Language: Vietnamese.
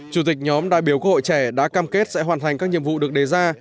chủ tịch nhóm đại biểu quốc hội trẻ đã cam kết sẽ hoàn thành các nhiệm vụ được đề ra